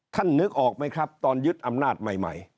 นึกออกไหมครับตอนยึดอำนาจใหม่